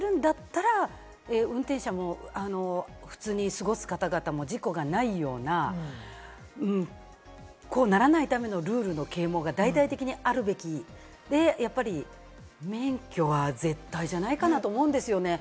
緩和するんだったら大々的な啓蒙とか、緩和するんだったら、運転者も普通に過ごす方々も事故がないような、こうならないためのルールの啓蒙が大々的にあるべきで、免許は絶対じゃないかなと思うんですよね。